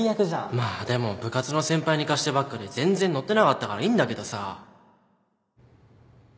まあでも部活の先輩に貸してばっかで全然乗ってなかったからいいんだけどさ